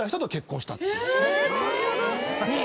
え！